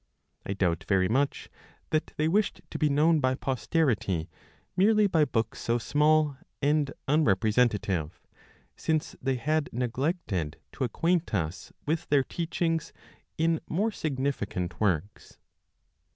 I doubt very much that they wished to be known by posterity merely by books so small (and unrepresentative), since they had neglected to acquaint us with their teachings in more significant works.